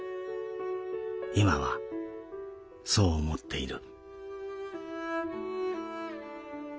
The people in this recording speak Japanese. いまはそう思っている」。